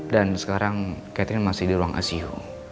dan sekarang catherine masih di ruang asyik